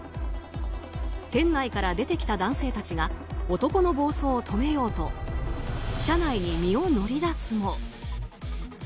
店内から出てきた男性たちが男の暴走を止めようと車内に身を乗り出すも。